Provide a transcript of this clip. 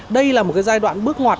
đây là một giai đoạn bước ngoặt